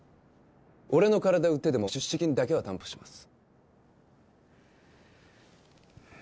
俺の体売ってでも出資金だけは担保します